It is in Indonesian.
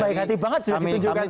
ini baik hati banget